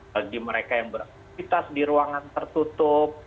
bagi mereka yang beraktivitas di ruangan tertutup